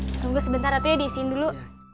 tunggu sebentar atunya diisiin dulu